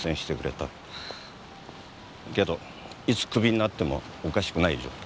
けどいつクビになってもおかしくない状況。